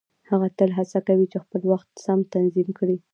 هغه تل هڅه کوي چې خپل وخت سم تنظيم کړي.